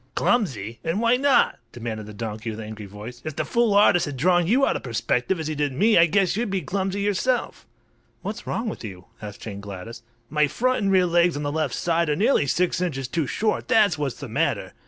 "Clumsy! And why not?" demanded the donkey, with angry voice. "If the fool artist had drawn you out of perspective, as he did me, I guess you'd be clumsy yourself." "What's wrong with you?" asked Jane Gladys. "My front and rear legs on the left side are nearly six inches too short, that's what's the matter!